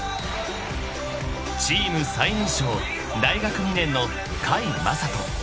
［チーム最年少大学２年の甲斐優斗］